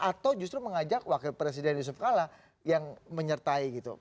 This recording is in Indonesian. atau justru mengajak wakil presiden yusuf kala yang menyertai gitu